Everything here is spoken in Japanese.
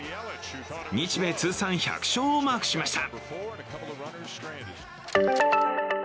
日米通算１００勝をマークしました。